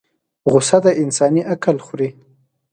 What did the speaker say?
غصه د انسان عقل خوري